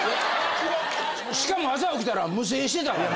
しかも朝起きたら夢精してたんや。